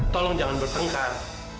tolong jangan bertengkar